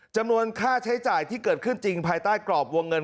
จำนวนค่าใช้จ่ายที่เกิดขึ้นจริงภายใต้กรอบวงเงิน